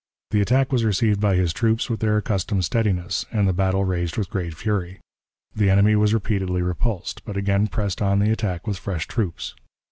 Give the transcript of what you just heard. The attack was received by his troops with their accustomed steadiness, and the battle raged with great fury. The enemy was repeatedly repulsed, but again pressed on the attack with fresh troops.